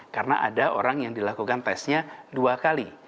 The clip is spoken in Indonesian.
karena ada orang yang dilakukan tesnya dua kali